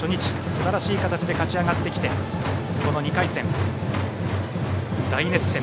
すばらしい形で勝ち上がってきてこの２回戦、大熱戦。